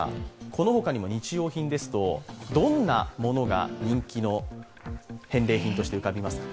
このほかにも日用品ですと、どんなものが人気の返礼品として浮かびますか？